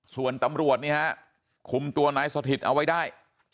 ส่วนตำรวจนี่ฮะคุมตัวนายสถิตเอาไว้ได้